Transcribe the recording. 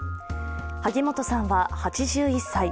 萩本さんは８１歳。